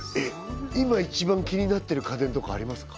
今一番気になってる家電とかありますか？